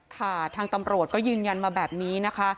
ค่ะทางตำรวจก็ยืนยันมาแบบนี้นะคะ